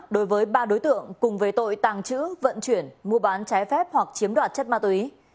đối với ba đối tượng cùng về tội tàng trữ vận chuyển mua bán trái phép hoặc chiếm đoạt chất ma túy